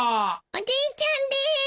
おじいちゃんです。